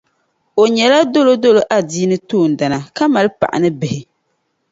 O nyɛla dolodolo adiini toondana ka mali paɣa ni bihi.